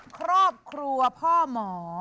ครอบครัวพ่อหมอ